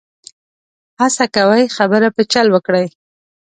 هڅه کوي خبره په چل وکړي.